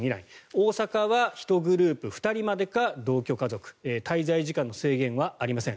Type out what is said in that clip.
大阪は１グループ２人までか同居家族滞在時間の制限はありません。